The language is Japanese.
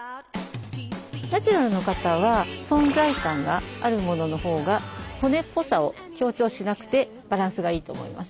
ナチュラルの方は存在感があるもののほうが骨っぽさを強調しなくてバランスがいいと思います。